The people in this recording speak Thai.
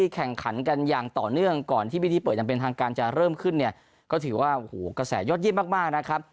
ก็ถือว่าโหกระแสยอดยิ่มมากนะครับ